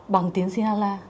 bằng tiếng sri lankan